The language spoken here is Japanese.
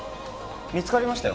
見つかりましたよ